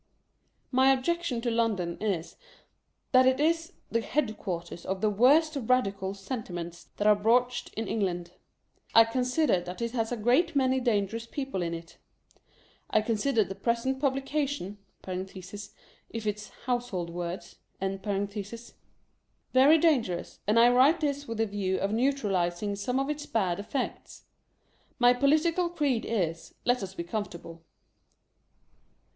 My objection to London is, that it is the headquarters of the worst radical sentiments that are broached in England. I consider that it has a great many dangerous people in it. I consider the present publication (if it's Household Words) very dangerous, and I write this with the view of neutraliziQg some of its bad effects. My political creed is, let us be comfortable.